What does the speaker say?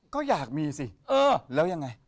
ก็อยากมีสิแล้วยังไง